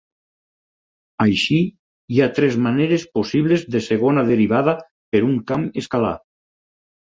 Així, hi ha tres maneres possibles de segona derivada per un camp escalar.